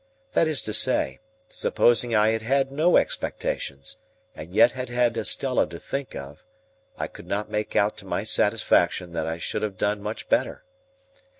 That is to say, supposing I had had no expectations, and yet had had Estella to think of, I could not make out to my satisfaction that I should have done much better.